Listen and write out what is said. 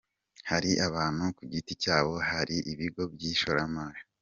Hari abantu ku giti cyabo, hari ibigo by’ishoramari.